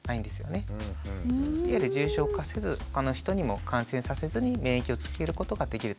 いわゆる重症化せずほかの人にも感染させずに免疫をつけることができると。